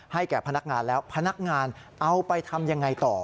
แก่พนักงานแล้วพนักงานเอาไปทำยังไงต่อ